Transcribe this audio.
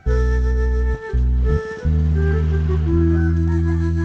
ah kita juga mau t